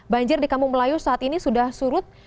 banjir di kampung melayu saat ini sudah surut